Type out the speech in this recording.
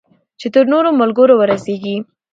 چې تر نورو ملګرو ورسیږي.